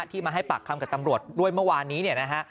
มาให้ปากคำกับตำรวจด้วยเมื่อวานนี้เนี่ยนะฮะ